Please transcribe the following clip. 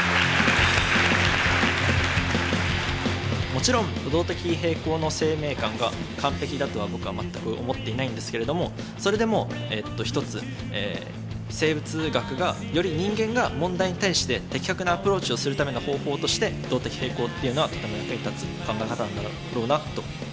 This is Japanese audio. もちろん動的平衡の生命観が完璧だとは僕は全く思っていないんですけれどもそれでも一つ生物学がより人間が問題に対して的確なアプローチをするための方法として動的平衡というのはとても役に立つ考え方なんだろうなと。